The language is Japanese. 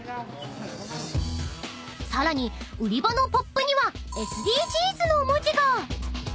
［さらに売り場のポップには「ＳＤＧｓ」の文字が］